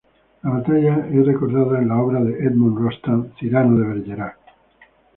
La batalla es recordada en la obra de Edmond Rostand, "Cyrano de Bergerac".